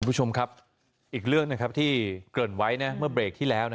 คุณผู้ชมครับอีกเรื่องที่เกิดไว้เมื่อเบรคที่แล้ว